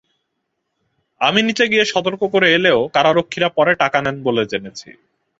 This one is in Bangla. আমি নিচে গিয়ে সতর্ক করে এলেও কারারক্ষীরা পরে টাকা নেন বলে জেনেছি।